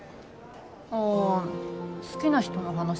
ああ好きな人の話？